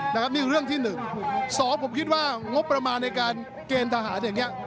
นี่คือเรื่องที่หนึ่งสองผมคิดว่างบประมาณในการเกณฑ์ทหารอย่างนี้